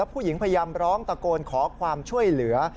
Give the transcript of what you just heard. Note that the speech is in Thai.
ผู้หญิงพยายามร้องตะโกนขอความช่วยเหลือ